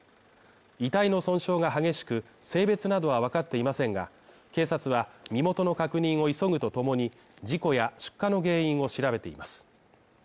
遺体の損傷が激しく性別などはわかっていませんが、警察は身元の確認を急ぐとともに事故や出火の原因を調べています